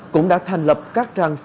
cũng đã thành lập các trang trí